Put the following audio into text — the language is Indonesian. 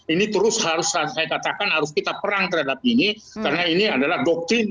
ini terus harus saya katakan harus kita perang terhadap ini karena ini adalah doktrin